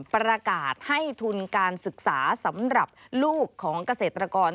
ประกาศให้ทุนการศึกษาสำหรับลูกของเกษตรกร